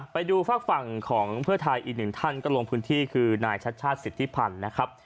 ไปดูฝากฝั่งของพระเทยอีกหนึ่งท่านก็ลงพื้นที่คือนายชาติชาติสิทธิพันธุ์